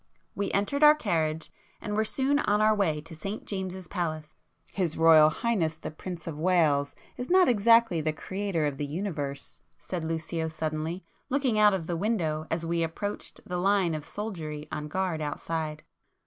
We entered our carriage and were soon on our way to St James's Palace. "His Royal Highness the Prince of Wales is not exactly the Creator of the universe;"—said Lucio suddenly, looking out of the window as we approached the line of soldiery on guard outside.